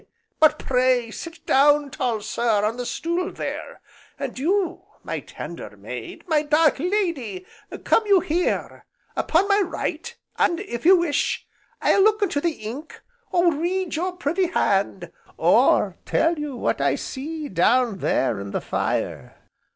But pray sit down, tall sir, on the stool there; and you, my tender maid, my dark lady, come you here upon my right, and, if you wish, I'll look into the ink, or read your pretty hand, or tell you what I see down there in the fire.